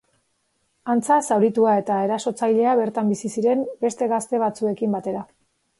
Antza, zauritua eta erasotzailea bertan bizi ziren beste gazte batzuekin batera.